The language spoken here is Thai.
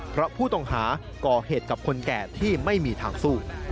เพราะผู้ต้องหาก่อเหตุกับคนแก่ที่ไม่มีทางสู้